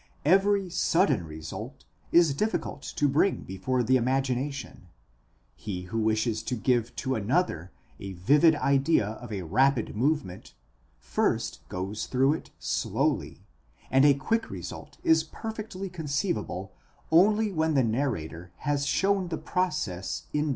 Every sudden result is diffi cult to bring before the imagination : he who wishes to give to another a vivid idea of a rapid movement, first goes through it slowly, and a quick result is perfectly conceivable only when the narrator has shown the process in detail.